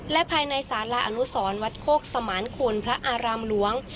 และภายในสาราอนุสรวัดโคกสมานคุณพระอารามหลวง